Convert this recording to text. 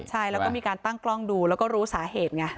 ใช่แล้วก็มีการตั้งกล้องดูแล้วก็รู้สาเหตุไง